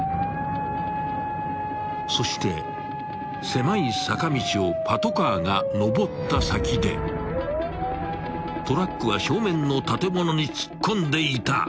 ［そして狭い坂道をパトカーが上った先でトラックは正面の建物に突っ込んでいた］